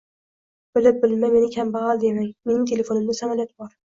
Bilib-bilmay meni kambag'al demang! Mening telefonimda samolyot bor...